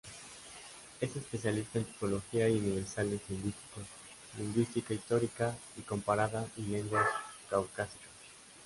Es especialista en tipología y universales lingüísticos, lingüística histórica y comparada y lenguas caucásicas.